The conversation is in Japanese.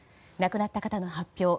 亡くなった方の発表